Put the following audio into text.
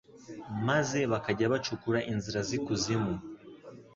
maze bakajya bacukura inzira z'ikuzimu